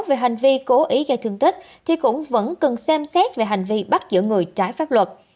về hành vi cố ý gây thương tích thì cũng vẫn cần xem xét về hành vi bắt giữ người trái pháp luật